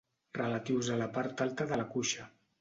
Relatius a la part alta de la cuixa.